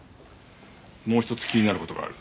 もう１つ気になる事がある。